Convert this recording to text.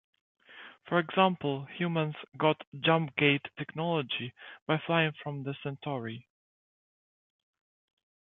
For example, humans got jumpgate technology by buying it from the Centauri.